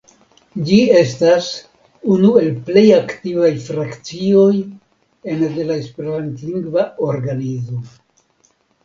Ĝi estas unu el plej aktivaj frakcioj ene de la esperantlingva organizo.